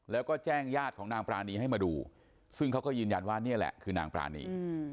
แล้วก็แจ้งญาติของนางปรานีให้มาดูซึ่งเขาก็ยืนยันว่านี่แหละคือนางปรานี